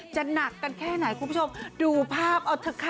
หนักกันแค่ไหนคุณผู้ชมดูภาพเอาเถอะค่ะ